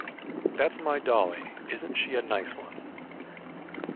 That's my dolly; isn't she a nice one?